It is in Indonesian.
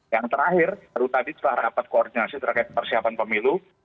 yang terakhir baru tadi setelah rapat koordinasi terkait persiapan pemilu